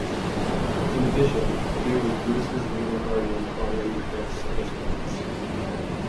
In addition, he was Bruce's legal guardian following the deaths of his parents.